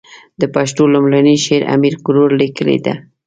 د پښتو لومړنی شعر امير کروړ ليکلی ده.